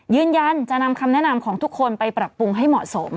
ยืนยันจะนำคำแนะนำของทุกคนไปปรับปรุงให้เหมาะสม